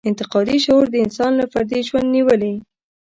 انتقادي شعور د انسان له فردي ژوند نېولې.